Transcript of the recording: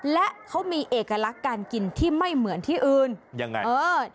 และเขามีเอกลักษณ์การกินที่ไม่เหมือนที่อื่นยังไงเออ